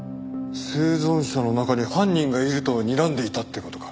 生存者の中に犯人がいるとにらんでいたって事か？